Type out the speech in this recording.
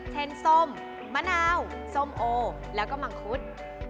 เช่นสมมะนาวส้มโอกและมังคุศ